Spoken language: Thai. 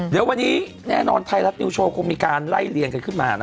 เดี๋ยววันนี้แน่นอนไทยรัฐนิวโชว์คงมีการไล่เลี่ยงกันขึ้นมา